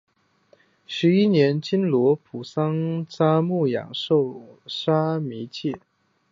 十一年从经师罗卜桑札木养受沙弥戒。